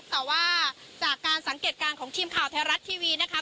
แต่ว่าจากการสังเกตการณ์ของทีมข่าวไทยรัฐทีวีนะคะ